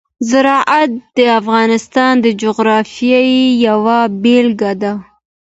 زراعت د افغانستان د جغرافیې یوه بېلګه ده.